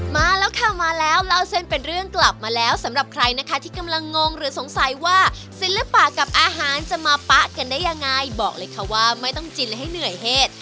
มาแล้วค่ะมาแล้วเล่าเส้นเป็นเรื่องกลับมาแล้วสำหรับใครนะคะที่กำลังงงหรือสงสัยว่าศิลปะกับอาหารจะมาปะกันได้ยังไงบอกเลยค่ะว่าไม่ต้องจินและให้เหนื่อยเหตุ